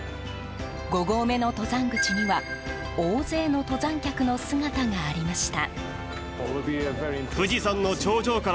５合目の登山口には大勢の登山客の姿がありました。